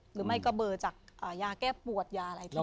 หรือไม่ก็เบอร์จากยาแก้ปวดยาอะไรพวกนี้